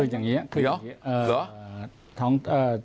คืออย่างเงี้ยคืออย่างเงี้ยหรือหรือ